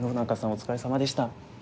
お疲れさまでした。